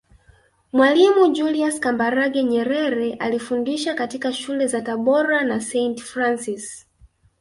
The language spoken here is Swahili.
Mwalimu Julius Kambarage Nyerere alifundisha katika Shule za Tabora na Saint Francis